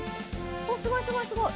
おすごいすごいすごい！